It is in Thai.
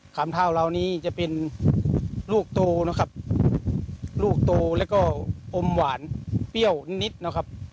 ำเท้าเรานี้จะเป็นลูกโตนะครับลูกโตแล้วก็อมหวานเปรี้ยวนิดนะครับ